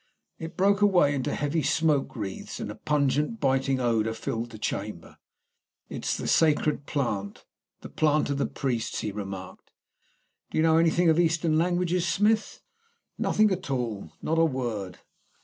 It broke away into heavy smoke wreaths, and a pungent, biting odour filled the chamber. "It's the sacred plant the plant of the priests," he remarked. "Do you know anything of Eastern languages, Smith?" "Nothing at all. Not a word."